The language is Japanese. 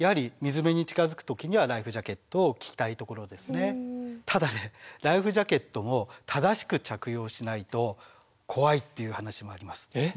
例えばただライフジャケットも正しく着用しないと怖いっていう話もあります。